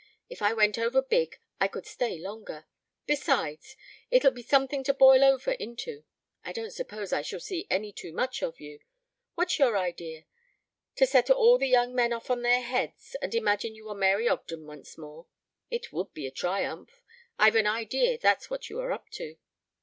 If it went over big I could stay longer. Besides, it'll be something to boil over into; I don't suppose I shall see any too much of you. What's your idea? To set all the young men off their heads and imagine you are Mary Ogden once more? It would be a triumph. I've an idea that's what you are up to."